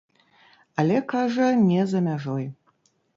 Але, кажа, не за мяжой.